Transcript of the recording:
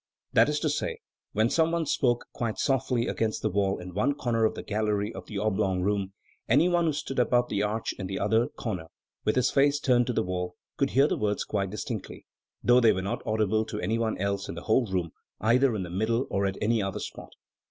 That is to say, when some one spoke quite softly against the wall in one corner of the gallery of the oblong room, 214 an(i Teacher. anyone who stood above the arch in the other corner, with his face turned to the wall, could hear the words quite distinctly, though they were not audible to any one else in the whole room, either in the middle or at any other spot.